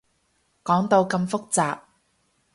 講到咁複雜